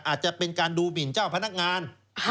อาจจะเป็นการดูหมินเจ้าพนักงาน